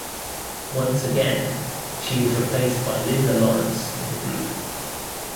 Once again, she was replaced by Lynda Laurence in the group.